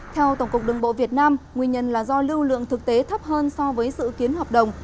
theo tổng cục đường bộ việt nam nguyên nhân là do lưu lượng thực tế thấp hơn so với dự kiến hợp đồng